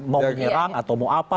mau menyerang atau mau apa